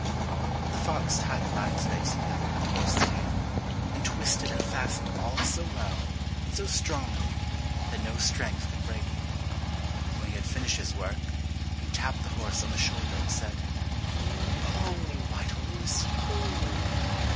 But the fox tied the lion's legs together with the horse's tail, and twisted and fastened all so well and so strongly that no strength could break it. When he had finished his work, he tapped the horse on the shoulder and said, "Pull, white horse, pull."